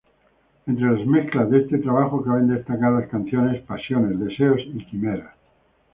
Entre las mezclas de este trabajo caben destacar las canciones "Pasiones", "Deseos" y "Quimeras".